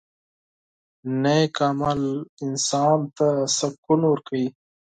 • نیک عمل انسان ته سکون ورکوي.